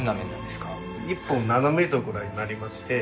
１本７ｍぐらいになりまして。